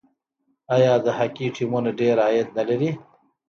آیا د هاکي ټیمونه ډیر عاید نلري؟